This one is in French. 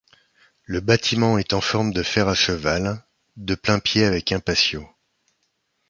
Le bâtiment est en forme de fer à cheval, de plain-pied avec un patio.